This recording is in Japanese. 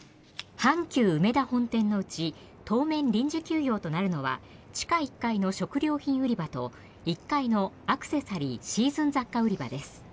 阪急百貨店うめだ本店のうち当面、臨時休業となるのは地下１階の食料品売り場と１階のアクセサリー・シーズン雑貨売り場です。